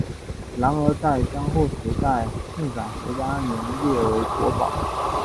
然而在江户时代庆长十八年列为国宝。